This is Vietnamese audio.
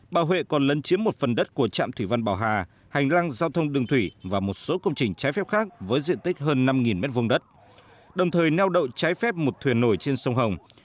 bảo vệ còn lấn chiếm một phần đất của trạm thủy văn bảo hà hành lăng giao thông đường thủy và một số công trình trái phép khác với diện tích hơn năm m hai đất đồng thời neo đậu trái phép một thuyền nổi trên sông hồng